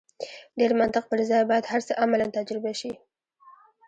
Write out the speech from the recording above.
ډېر منطق پر ځای باید هر څه عملاً تجربه شي.